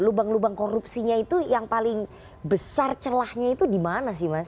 lubang lubang korupsinya itu yang paling besar celahnya itu di mana sih mas